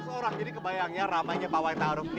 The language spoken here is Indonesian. dua ratus orang jadi kebayangnya ramainya pak wai ta aruf